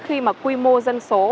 khi mà quy mô dân số